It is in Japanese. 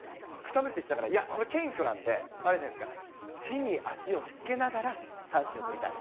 草むしりしながら、いや、これ謙虚なんで、あれじゃないですか、地に足をつけながら、三振を取りたい。